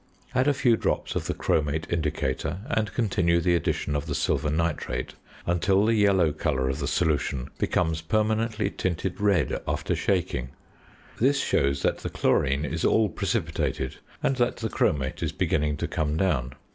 Add a few drops of the chromate indicator and continue the addition of the silver nitrate until the yellow colour of the solution becomes permanently tinted red, after shaking. This shows that the chlorine is all precipitated, and that the chromate is beginning to come down.